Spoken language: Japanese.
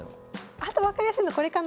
あと分かりやすいのこれかな。